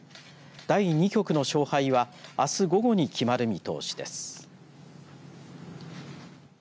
第２局の勝敗はあす午後に決まる見通しです。